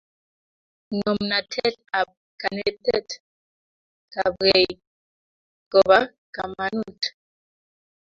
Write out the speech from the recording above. ngomnatet ap kanetet apkei kopo kamanut